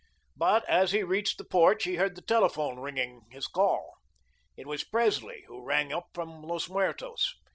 But as he reached the porch he heard the telephone ringing his call. It was Presley, who rang up from Los Muertos.